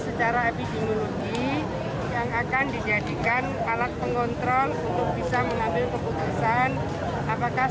itu mariyatti seorang pedagang mengaku senang hati dan menangani keputusan yang telah dilakukan oleh psbb